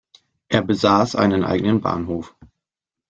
Es besaß einen eigenen Bahnhof.